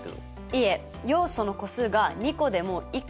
いえ要素の個数が２個でも１個でも。